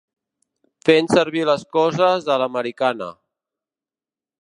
Fent servir les coses a l'americana.